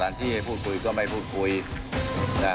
มันก็มีหลายพิธี